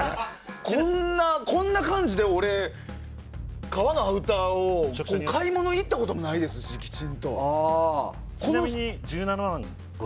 こんな感じで、革のアウターを買いに行ったこともないですしきちんと。